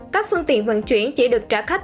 các phương tiện vận chuyển chỉ được trả khách